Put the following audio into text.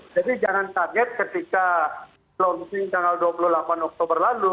jadi jangan tanyat ketika launching tanggal dua puluh delapan oktober lalu